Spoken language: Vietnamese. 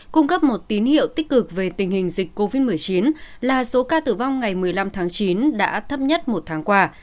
cung cấp một tín hiệu tích cực về tình hình dịch covid một mươi chín là số ca tử vong ngày một mươi năm tháng chín đã thấp nhất một tháng qua